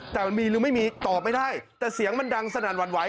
แต่มันมีหรือไม่มีตอบไม่ได้แต่เสียงมันดังสนั่นหวั่นไหว